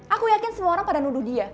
aku yakin semua orang pada nuduh dia